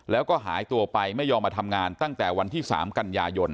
แล้วก็หายตัวไปไม่ยอมมาทำงานตั้งแต่วันที่๓กันยายน